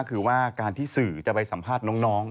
คือว่าการที่สื่อจะไปสัมภาษณ์น้อง